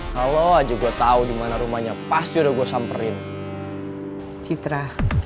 kalau aja gue tahu di mana rumahnya pasti udah gue samperin citra